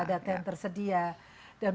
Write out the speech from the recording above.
data yang tersedia dan